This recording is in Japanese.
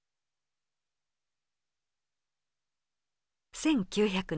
１９００年。